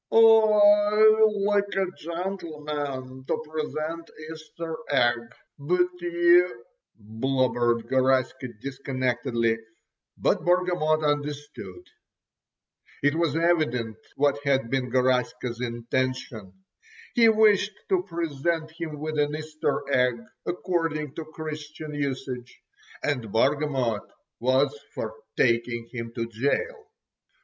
"I——like a gentleman——to present——Easter egg——but you——" blubbered Garaska disconnectedly; but Bargamot understood. It was evident what had been Garaska's intention. He wished to present him with an Easter egg according to Christian usage, and Bargamot was for taking him to gaol.